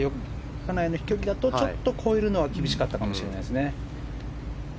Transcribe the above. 金谷の飛距離だとちょっと、越えるのは厳しかったかもしれないですね。